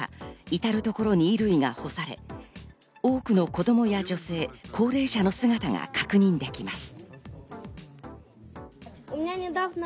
いたるところに衣類が干され、多くの子供や女性、高齢者の姿が確認できます。